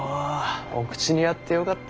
お口に合ってよかった。